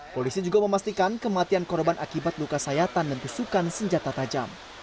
polisi juga memastikan kematian korban akibat luka sayatan dan tusukan senjata tajam